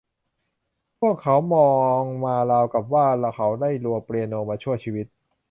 พวกเขามองมาราวกับว่า เขาได้รัวเปียโนมาชั่วชีวิต